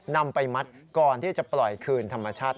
นำไปมัดก่อนที่จะปล่อยคืนธรรมชาติ